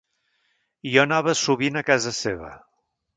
Jo anava sovint a casa seva.